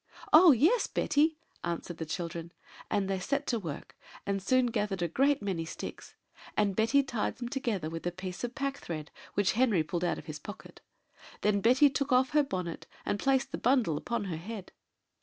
"Oh, yes, Betty," answered the children: and they set to work, and soon gathered a great many sticks; and Betty tied them together with a piece of packthread which Henry pulled out of his pocket; then Betty took off her bonnet, and placed the bundle upon her head.